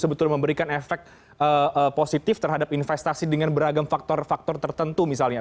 sebetulnya memberikan efek positif terhadap investasi dengan beragam faktor faktor tertentu misalnya